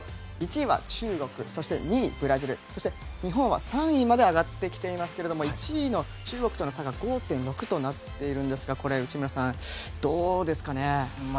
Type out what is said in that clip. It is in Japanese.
１位、中国２位、ブラジルそして日本は３位まで上がってきていますけども１位の中国との差が５．６となっているんですが内村さん、どうですかね？